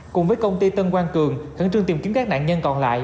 cùng với công ty tân quang cường khẩn trương tìm kiếm các nạn nhân còn lại